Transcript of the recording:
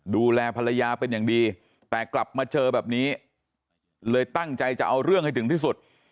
ดูแลภรรยาเป็นอย่างดีแต่กลับมาเจอแบบนี้เลยตั้งใจจะเอาเรื่องให้ถึงที่สุด